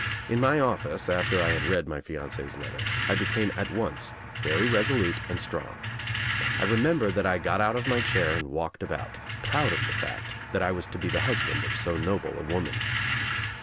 In my office, after I had read my fiancee's letter, I became at once very resolute and strong. I remember that I got out of my chair and walked about, proud of the fact that I was to be the husband of so noble a woman.